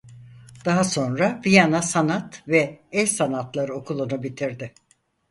Daha sonra "Viyana Sanat ve El Sanatları Okulu"'nu bitirdi.